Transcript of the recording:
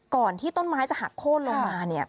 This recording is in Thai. ที่ต้นไม้จะหักโค้นลงมา